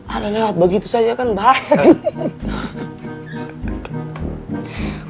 anak lewat begitu saja kan bahaya